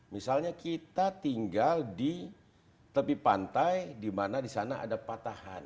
misalnya kita tinggal di tepi pantai dimana disana ada patahan